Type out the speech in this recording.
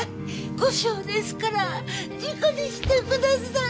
後生ですから事故にしてください！